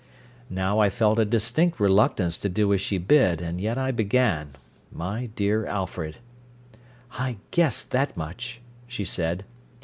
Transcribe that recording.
Now I felt a distinct reluctance to do as she bid, and yet I began "'My dear Alfred.'" "I guessed that much," she said.